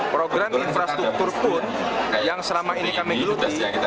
program infrastruktur pun yang selama ini kami geluti